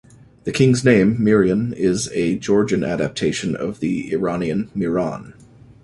The king's name, Mirian, is a Georgian adaptation of the Iranian "Mihran".